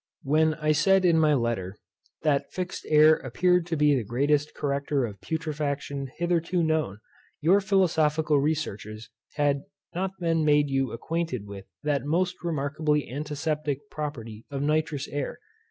When I said in my letter, that fixed air appeared to be the greatest corrector of putrefaction hitherto known, your philosophical researches had not then made you acquainted with that most remarkably antiseptic property of nitrous air.